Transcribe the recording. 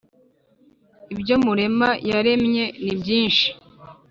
ibyo murema yaremye nibyinshi